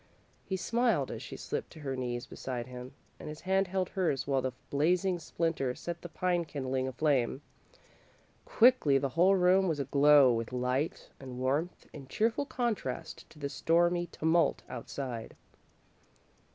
He smiled as she slipped to her knees beside him, and his hand held hers while the blazing splinter set the pine kindling aflame. Quickly the whole room was aglow with light and warmth, in cheerful contrast to the stormy tumult outside.